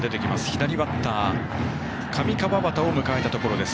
左バッター、上川畑を迎えるところです。